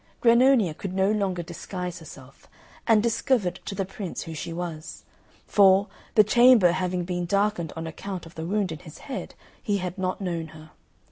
Grannonia could no longer disguise herself, and discovered to the Prince who she was; for, the chamber having been darkened on account of the wound in his head, he had not known her.